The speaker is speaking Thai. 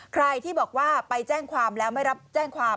ใครที่บอกว่าไปแจ้งความแล้วไม่รับแจ้งความ